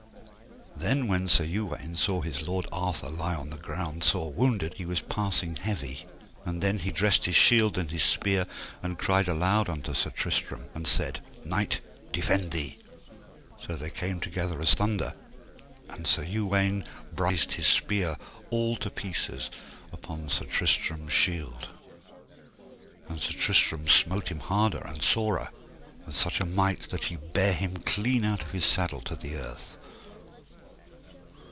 Then when Sir Uwaine saw his lord Arthur lie on the ground sore wounded, he was passing heavy. And then he dressed his shield and his spear, and cried aloud unto Sir Tristram and said: Knight, defend thee. So they came together as thunder, and Sir Uwaine brised his spear all to pieces upon Sir Tristram's shield, and Sir Tristram smote him harder and sorer, with such a might that he bare him clean out of his saddle to the earth.